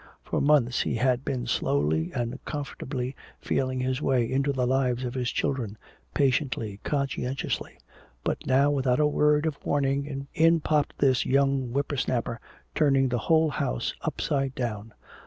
For months he had been slowly and comfortably feeling his way into the lives of his children, patiently, conscientiously. But now without a word of warning in popped this young whipper snapper, turning the whole house upside down!